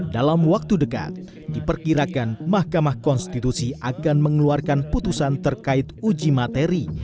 dalam waktu dekat diperkirakan mahkamah konstitusi akan mengeluarkan putusan terkait uji materi